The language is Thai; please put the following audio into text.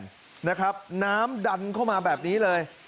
นะครับน้ำดันเข้ามาแบบนี้เลย